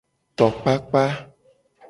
Tokpakpa.